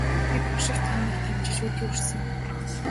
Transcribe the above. Би бошигт хааныг дэмжиж өдий хүрсэн.